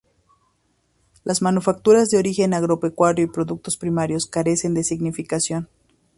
Las manufacturas de origen agropecuario y productos primarios carecen de significación.